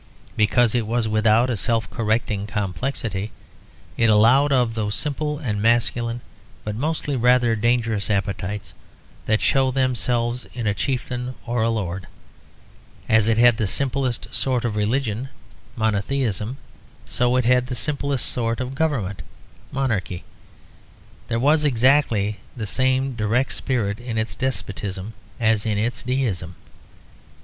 Because it was without a self correcting complexity, it allowed of those simple and masculine but mostly rather dangerous appetites that show themselves in a chieftain or a lord. As it had the simplest sort of religion, monotheism, so it had the simplest sort of government, monarchy. There was exactly the same direct spirit in its despotism as in its deism.